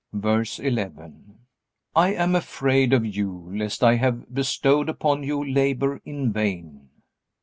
VERSE 11. I am afraid of you, lest I have bestowed upon you labor in vain.